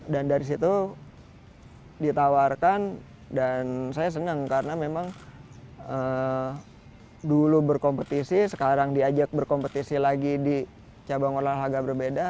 dan dari situ ditawarkan dan saya senang karena memang dulu berkompetisi sekarang diajak berkompetisi lagi di cabang olahraga berbeda